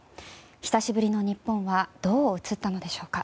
久しぶりの日本はどう映ったのでしょうか。